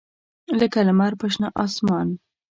لکه لمر په شنه اسمان